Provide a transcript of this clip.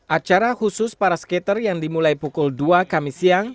acara khusus para skater yang dimulai pukul dua kami siang